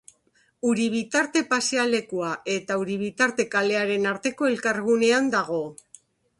Uribitarte pasealekua eta Uribitarte kalearen arteko elkargunean dago.